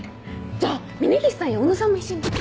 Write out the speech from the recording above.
じゃあ峰岸さんや小野さんも一緒に。